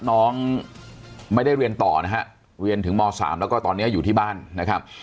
น้องไม่ได้เรียนต่อนะฮะเรียนถึงม๓แล้วก็ตอนนี้อยู่ที่บ้านนะครับ